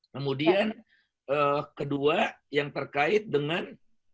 kemudian kedua yang terkait dengan